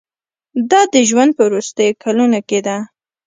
دا د ژوند په وروستیو کلونو کې ده.